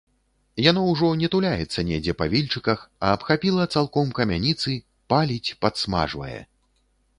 Яно ўжо не туляецца недзе па вільчыках, а абхапіла цалком камяніцы, паліць, падсмажвае.